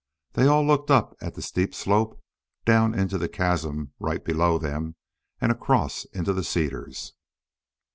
They all looked up at the steep slope, down into the chasm right below them, and across into the cedars.